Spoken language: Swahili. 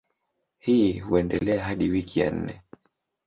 Hii huendelea hadi wiki ya nne.